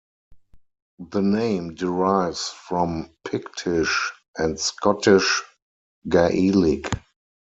The name derives from Pictish and Scottish Gaelic.